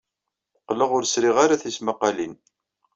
Qqleɣ ur sriɣ ara tismaqqalin.